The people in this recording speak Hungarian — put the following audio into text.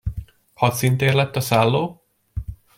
Hadszíntér lett a szálló?